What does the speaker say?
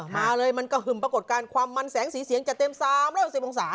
มาเลยมันกระหึ่มปรากฏการณ์ความมันแสงสีเสียงจะเต็ม๓๖๐องศา